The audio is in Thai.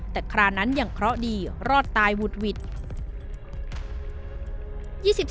แต่ครานั้นยังเคราะห์ดีรอดตายวุดหวิด